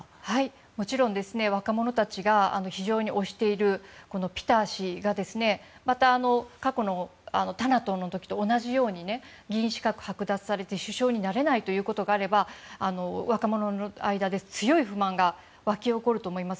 もちろん、若者たちが非常に推しているピタ氏がまた過去のタナトーンと同じように議員資格を剥奪されて、首相になれないということがあれば若者の間で強い不満が沸き起こると思います。